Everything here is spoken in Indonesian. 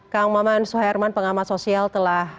kang maman suherman pengamat sosial telah